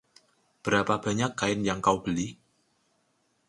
Berapa banyak kain yang kau beli?